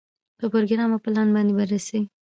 په پروګرام او پلان باندې بررسي.